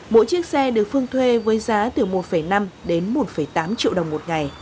mỗi chiếc xe được phương thuê với giá từ một năm đến một tám triệu đồng một ngày